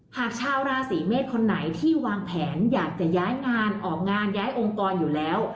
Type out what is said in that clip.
หากชาวราศีเมษคนไหนที่วางแผนอยากจะย้ายงานออกงานย้ายองค์กรอยู่แล้ว